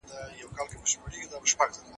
تاسو په کمپيوټر پوهنه کي کوم پروګرام ښه پېژنئ؟